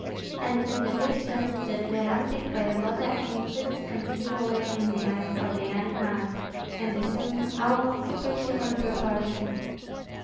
And in the distance that gigantic voevoda increased continually in the eyes of the young knight, and assumed almost superhuman proportions.